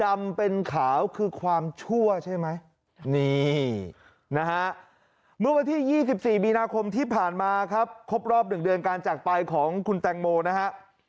เมื่อวันที่๒๔บีนาคมที่ผ่านมาครับครบรอบ๑เดือนการจักรไปของคุณแตงโมนะฮะ